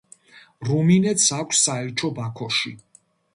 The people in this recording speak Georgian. რუმინეთს აქვს საელჩო ბაქოში.